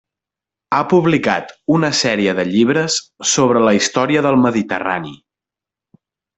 Ha publicat una sèrie de llibres sobre la història del Mediterrani.